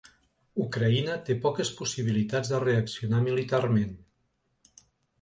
Ucraïna té poques possibilitats de reaccionar militarment.